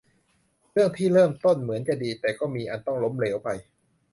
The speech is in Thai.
เรื่องที่เริ่มต้นเหมือนจะดีแต่ก็มีอันต้องล้มเหลวไป